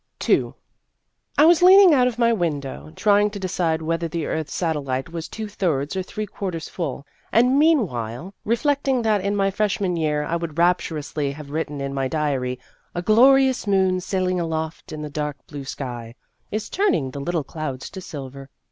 II I was leaning out of my window, trying to decide whether the earth's satellite was two thirds or three quarters full, and mean while reflecting that in my freshman year I would rapturously have written in my diary :" A glorious moon, sailing aloft in the dark blue sky, is turning the little clouds to silver."